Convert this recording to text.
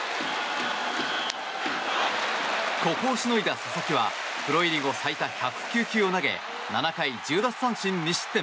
ここをしのいだ佐々木はプロ入り後最多１０９球を投げ７回１０奪三振２失点。